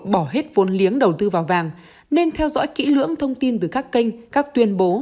bỏ hết vốn liếng đầu tư vào vàng nên theo dõi kỹ lưỡng thông tin từ các kênh các tuyên bố